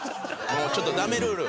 もうちょっとダメルール。